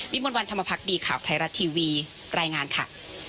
มวลวันธรรมพักดีข่าวไทยรัฐทีวีรายงานค่ะ